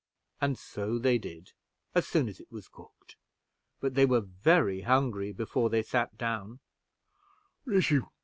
And so they did as soon as it was cooked; but they were very hungry before they sat down.